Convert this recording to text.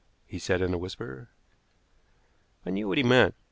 he said in a whisper. I knew what he meant.